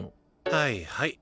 はいはい。